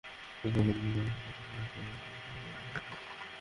গতকাল মঙ্গলবার সেই শুনানিতে দুই বিচারপতির মধ্যে মতের অমিল দেখা দেয়।